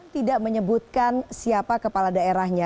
tidak menyebutkan siapa kepala daerahnya